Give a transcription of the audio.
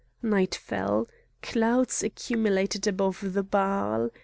Night fell; clouds accumulated above the Baal.